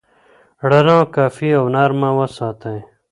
رڼا کافي او نرمه وساتئ.